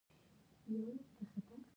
د افغانستان خلک پخواني تمدنونه لري.